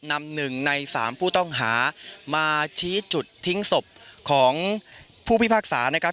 นำ๑ใน๓ผู้ต้องหามาชี้จุดทิ้งศพของผู้พิพากษานะครับ